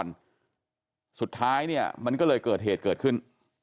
ฝั่งนี้เขาก่อนสุดท้ายเนี่ยมันก็เลยเกิดเหตุเกิดขึ้น